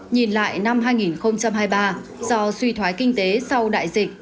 nhìn lại năm hai nghìn hai mươi ba do suy thoái kinh tế sau đại dịch